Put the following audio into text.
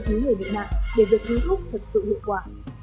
cứu người bị nạn để được cứu giúp thật sự hiệu quả